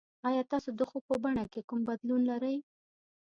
ایا تاسو د خوب په بڼه کې کوم بدلون لرئ؟